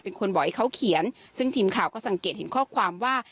เป็นคนบอกให้เขาเขียนซึ่งทีมข่าวก็สังเกตเห็นข้อความว่า